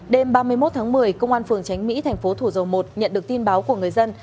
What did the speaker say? đêm ba mươi một tháng một mươi công an phường tránh mỹ thành phố thủ dầu một nhận được tin báo của người dân